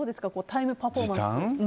タイムパフォーマンス。